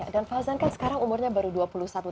dan fauzan kan sekarang umurnya baru dua puluh satu